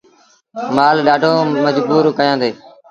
مآل ڏآڍو مجبور ڪيآندي۔